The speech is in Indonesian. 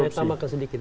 saya tambahkan sedikit